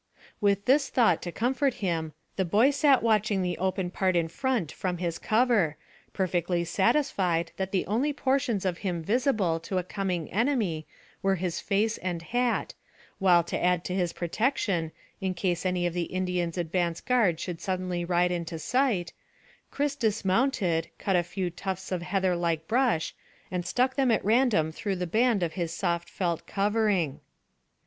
With this thought to comfort him the boy sat watching the open part in front from his cover, perfectly satisfied that the only portions of him visible to a coming enemy were his face and hat, while to add to his protection, in case any of the Indians' advance guard should suddenly ride into sight, Chris dismounted, cut a few tufts of heather like brush, and stuck them at random through the band of his soft felt covering.